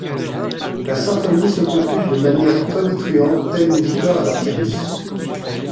La symphonie se conclut de manière tonitruante, telle une victoire à la Pyrrhus.